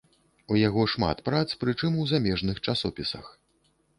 У яго шмат прац, прычым у замежных часопісах.